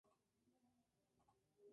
Se puede bañar hasta tres veces al día.